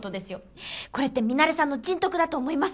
これってミナレさんの人徳だと思います。